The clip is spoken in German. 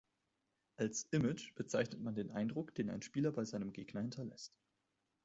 Als "Image" bezeichnet man den Eindruck, den ein Spieler bei seinem Gegner hinterlässt.